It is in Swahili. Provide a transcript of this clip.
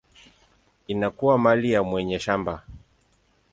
inakuwa mali ya mwenye shamba.